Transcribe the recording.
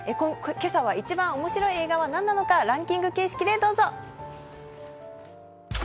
今朝は、一番面白い映画は何なのかランキング形式でどうぞ。